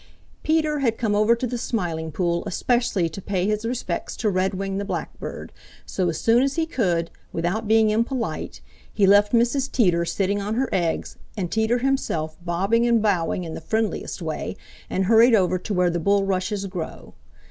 Peter had come over to the Smiling Pool especially to pay his respects to Redwing the Blackbird, so as soon as he could, without being impolite, he left Mrs. Teeter sitting on her eggs, and Teeter himself bobbing and bowing in the friendliest way, and hurried over to where the bulrushes grow.